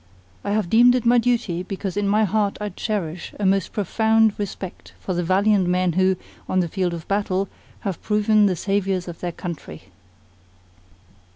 I have deemed it my duty because in my heart I cherish a most profound respect for the valiant men who, on the field of battle, have proved the saviours of their country."